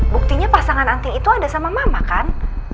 buktinya pasangan anting itu ada sama mama kan